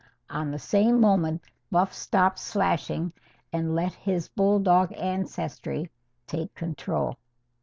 On the same moment Buff stopped slashing and let his bulldog ancestry take control.